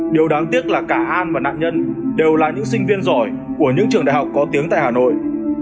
điều đáng tiếc là cả an và nạn nhân đều là những sinh viên giỏi của những trường đại học có tiếng tại hà nội